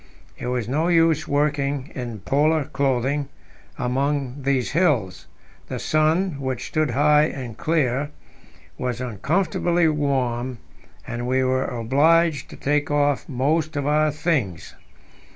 It was no use working in Polar clothing among these hills; the sun, which stood high and clear, was uncomfortably warm, and we were obliged to take off most of our things.